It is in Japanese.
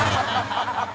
ハハハハ！